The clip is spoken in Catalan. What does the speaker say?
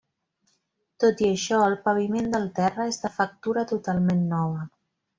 Tot i això el paviment del terra és de factura totalment nova.